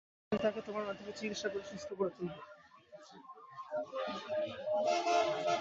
আমি তাকে তোমার মাধ্যমে চিকিৎসা করে সুস্থ করে তুলবো।